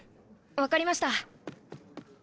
分かりました。